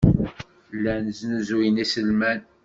Llan snuzuyen iselman.